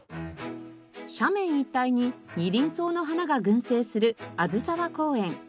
斜面一帯にニリンソウの花が群生する小豆沢公園。